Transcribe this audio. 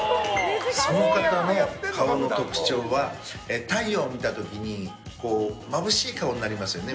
その方の顔の特徴は太陽を見た時にまぶしい顔になりますよね